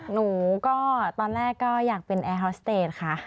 หนูก็ตอนแรกก็อยากเป็นแอร์ฮอสเตจค่ะ